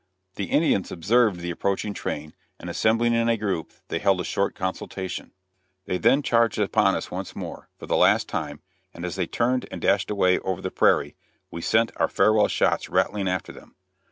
The Indians observed the approaching train, and assembling in a group they held a short consultation. They then charged upon us once more, for the last time, and as they turned and dashed away over the prairie, we sent our farewell shots rattling after them.